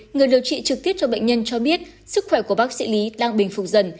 người điều trị trực tiếp cho bệnh nhân cho biết sức khỏe của bác sĩ lý đang bình phục dần